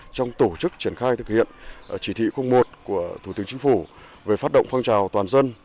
trong tổ chức triển khai thực hiện chỉ thị một của thủ tướng chính phủ về phát động phong trào toàn dân